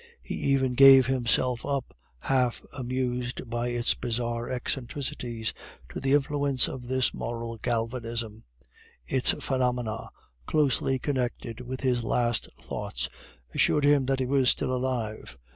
He even gave himself up, half amused by its bizarre eccentricities, to the influence of this moral galvanism; its phenomena, closely connected with his last thoughts, assured him that he was still alive.